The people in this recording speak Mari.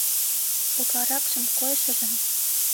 Утларакшым койышыжым.